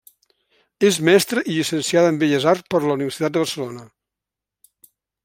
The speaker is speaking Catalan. És mestra i llicenciada en Belles Arts per la Universitat de Barcelona.